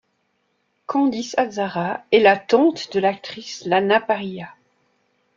Candice Azzara est la tante de l'actrice Lana Parrilla.